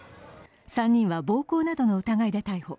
３人は暴行などの疑いで逮捕。